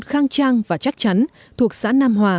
khang trang và chắc chắn thuộc xã nam hòa